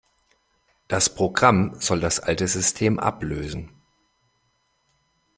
Das Programm soll das alte System ablösen.